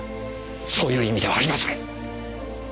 そういう意味ではありません！